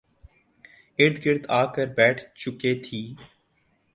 ارد گرد آ کر بیٹھ چکے تھی